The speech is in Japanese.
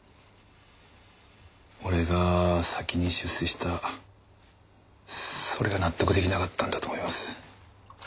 俺が先に出世したそれが納得出来なかったんだと思います。